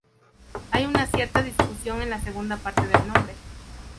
Hay una cierta discusión en la segunda parte del nombre.